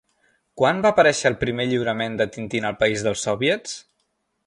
Quan va aparèixer el primer lliurament de Tintín al país dels soviets?